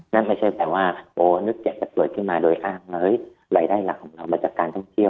นั้นไม่แปลว่าก็นึกจะใช้สุดขึ้นมาโดยอาพเลยเหล่าเรายได้หลักของเรามาจากการท่านที่เที่ยว